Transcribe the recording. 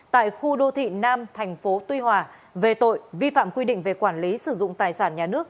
tại khu đô thị nam thành phố tuy hòa về tội vi phạm quy định về quản lý sử dụng tài sản nhà nước